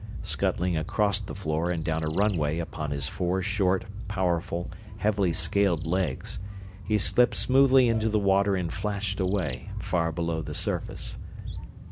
Scuttling across the floor and down a runway upon his four short, powerful, heavily scaled legs, he slipped smoothly into the water and flashed away, far below the surface.